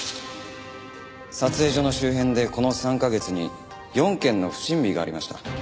撮影所の周辺でこの３カ月に４件の不審火がありました。